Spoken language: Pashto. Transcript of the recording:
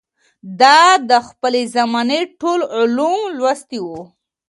ده د خپلې زمانې ټول علوم لوستي وو